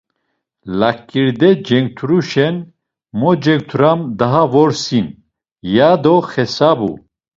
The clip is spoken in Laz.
Laǩirde cenkturuşen, mo cenkturam daha vrosi’n, yado xesabu.